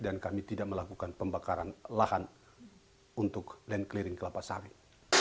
kami tidak melakukan pembakaran lahan untuk land clearing kelapa sawit